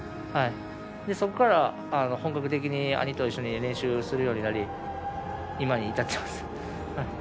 そこから、本格的に兄と一緒に練習するようになり今に至っています。